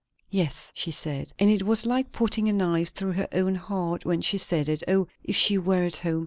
_" "Yes," she said. And it was like putting a knife through her own heart when she said it. O, if she were at home!